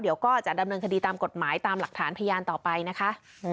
เดี๋ยวก็จะดำเนินคดีตามกฎหมายตามหลักฐานพยานต่อไปนะคะ